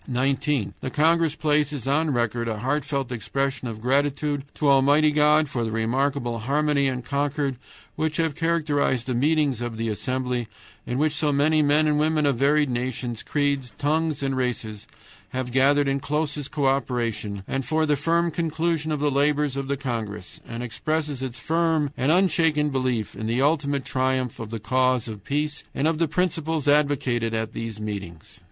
"19. The congress places on record a heartfelt expression of gratitude to Almighty God for the remarkable harmony and concord which have characterized the meetings of the assembly, in which so many men and women of varied nations, creeds, tongues, and races have gathered in closest co operation, and for the conclusion of the labors of the congress; and expresses its firm and unshaken belief in the ultimate triumph of the cause of peace and of the principles advocated at these meetings."